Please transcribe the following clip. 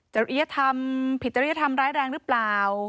จริยธรรมผิดจริยธรรมร้ายแรงหรือเปล่า